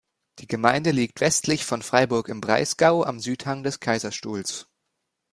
Die Gemeinde liegt westlich von Freiburg im Breisgau, am Südhang des Kaiserstuhls.